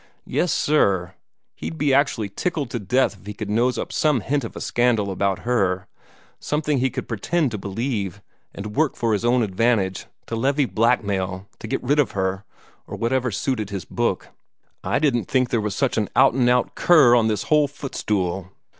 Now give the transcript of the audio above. Yes, sir; he'd be actually tickled to death if he could nose up some hint of a scandal about her something that he could pretend to believe, and work for his own advantage to levy blackmail, or get rid of her, or whatever suited his book. I didn't think there was such an out and out cur on this whole footstool.